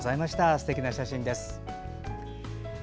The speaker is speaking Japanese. すてきな写真です。